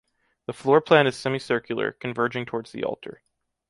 The floor plan is semicircular, converging towards the altar.